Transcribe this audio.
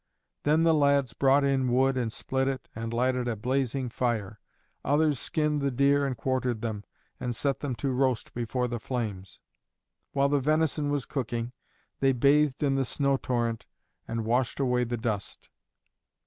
Then the lads brought in wood and split it, and lighted a blazing fire. Others skinned the deer and quartered them, and set them to roast before the flames. While the venison was cooking, they bathed in the snow torrent and washed away the dust.